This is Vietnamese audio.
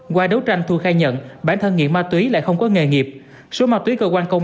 qua đấu tranh thu khai nhận bản thân nghiện ma túy lại không có nghề nghiệp số ma túy cơ quan công